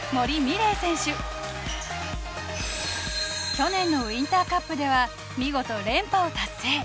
去年のウインターカップでは見事連覇を達成。